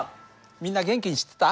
みんな元気にしてた？